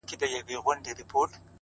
خدایه هغه مه اخلې زما تر جنازې پوري”